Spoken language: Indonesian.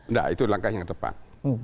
enggak itu langkah yang tepat